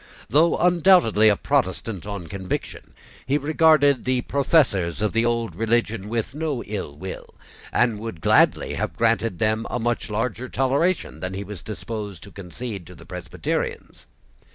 Though undoubtedly a Protestant on conviction, he regarded the professors of the old religion with no ill will, and would gladly have granted them a much larger toleration than he was disposed to concede to the Presbyterians.